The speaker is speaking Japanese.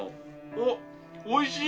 あっおいしい！